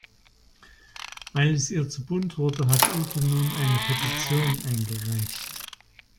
Weil es ihr zu bunt wurde, hat Ute nun eine Petition eingereicht.